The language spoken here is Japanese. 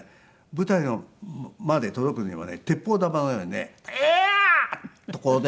舞台まで届くにはね鉄砲玉のようにね「音羽屋！」とこうね。